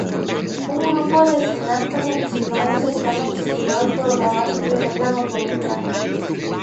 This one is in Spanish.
Un grupo de cineastas aficionados están obsesionados por grabar su primer largometraje.